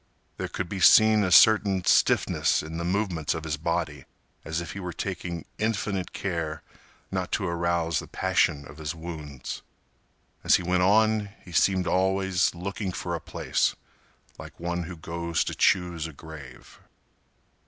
There could be seen a certain stiffness in the movements of his body, as if he were taking infinite care not to arouse the passion of his wounds. As he went on, he seemed always looking for a place, like one who goes to choose a grave.